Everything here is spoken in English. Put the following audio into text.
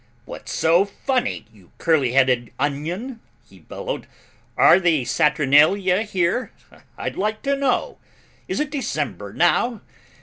"What's so funny, you curly headed onion," he bellowed, "are the Saturnalia here, I'd like to know? Is it December now?